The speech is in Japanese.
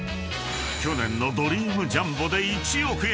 ［去年のドリームジャンボで１億円］